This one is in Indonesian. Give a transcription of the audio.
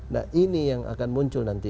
nah ini yang akan muncul nanti